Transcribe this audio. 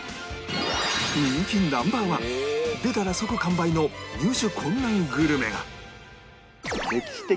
人気 Ｎｏ．１ 出たら即完売の入手困難グルメが